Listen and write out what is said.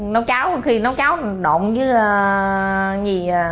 nấu cháo khi nấu cháo độn với